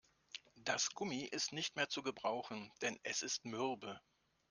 Das Gummi ist nicht mehr zu gebrauchen, denn es ist mürbe.